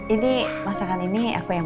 ini masakan ini aku yang